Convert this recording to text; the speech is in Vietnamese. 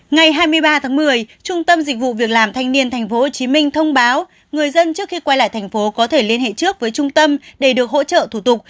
ngày hai mươi ba tháng một mươi trung tâm dịch vụ việc làm thanh niên tp hcm thông báo người dân trước khi quay lại thành phố có thể liên hệ trước với trung tâm để được hỗ trợ thủ tục